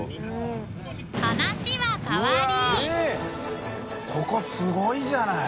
話は変わりここすごいじゃない！